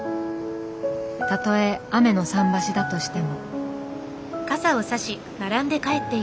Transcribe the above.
たとえ雨の桟橋だとしても。